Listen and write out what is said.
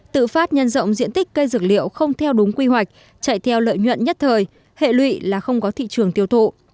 tự phát nhân rộng diện tích cây dược liệu không theo đúng quy hoạch chạy theo lợi nhuận nhất thời hệ lụy là không có thị trường tiêu thụ